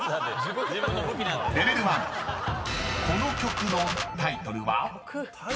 ［この曲のタイトルは？］